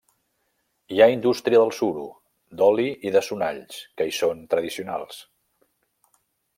Hi ha indústria del suro, d'oli i de sonalls, que hi són tradicionals.